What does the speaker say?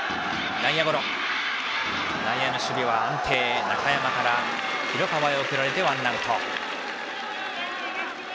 内野の守備は安定、中山から広川に送られてワンアウト。